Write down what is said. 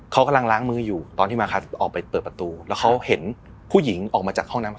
เขากำลังล้างมืออยู่ตอนที่มาคัสออกไปเปิดประตูแล้วเขาเห็นผู้หญิงออกมาจากห้องน้ำ